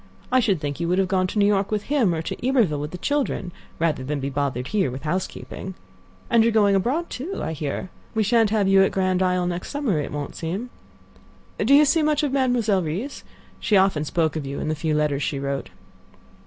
I should think you would have gone to New York with him, or to Iberville with the children, rather than be bothered here with housekeeping. And you are going abroad, too, I hear. We shan't have you at Grand Isle next summer; it won't seem—do you see much of Mademoiselle Reisz? She often spoke of you in the few letters she wrote."